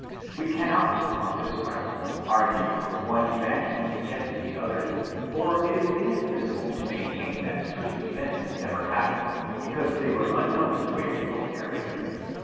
We cannot, on this ground, argue from one evangelist against the other; for it is inadmissible to maintain that certain events never happened, because. they were unknown to a remote narrator.